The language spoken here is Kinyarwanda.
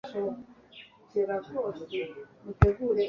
Igice cy'ibigori n'imizabibu, cyirashya